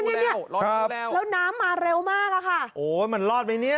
ร้อนดูแล้วร้อนดูแล้วแล้วน้ำมาเร็วมากอะค่ะโอ้มันรอดไหมเนี้ย